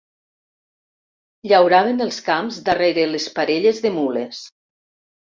Llauraven els camps darrere les parelles de mules